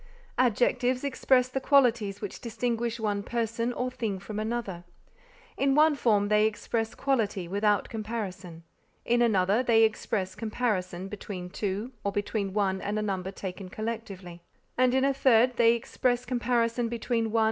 Adjectives express the qualities which distinguish one person or thing from another; in one form they express quality without comparison; in another, they express comparison between two, or between one and a number taken collectively, and in a third they express comparison between one and a number of others taken separately.